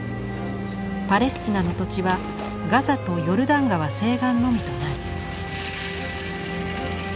パレスチナの土地はガザとヨルダン川西岸のみとなる。